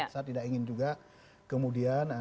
saya tidak ingin juga kemudian